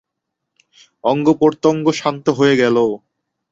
অঙ্গ-প্রতঙ্গ শান্ত হয়ে গেল।